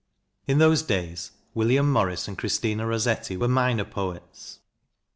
In those days William Morris and Christina Rossetti were minor poets.